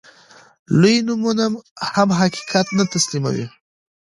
لوی نومونه هم حقيقت نه تسليموي.